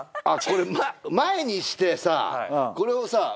あっこれ前にしてさこれをさ